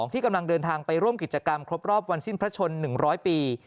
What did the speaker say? ที่กำลังเดินทางไปร่วมกิจกรรมครบรอบวันสิ้นพระชน๑๐๐ปี